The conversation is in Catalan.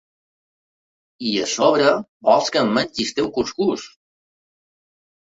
I a sobre vols que em mengi el teu cuscús.